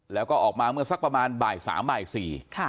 แล้วก็ออกมาเมื่อสักประมาณบ่ายสามบ่ายสี่